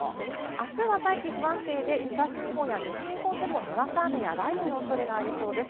あすは大気は不安定で東日本や西日本でもにわか雨や雷雨のおそれがありそうです。